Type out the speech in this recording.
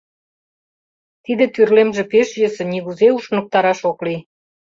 Тиде тӱрлемже пеш йӧсӧ, нигузе ушныктараш ок лий.